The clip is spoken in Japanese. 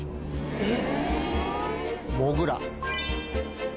えっ！